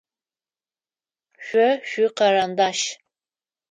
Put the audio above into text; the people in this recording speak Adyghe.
Шъо шъуикарандаш.